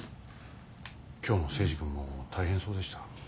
今日の征二君も大変そうでした。